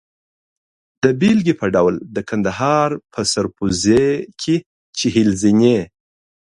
د بېلګې په ډول د کندهار په سرپوزي کې چهل زینې.